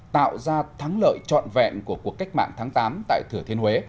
tạo ra thắng lợi trọn vẹn của cuộc cách mạng tháng tám tại thừa thiên huế